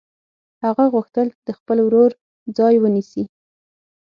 هغه غوښتل د خپل ورور ځای ونیسي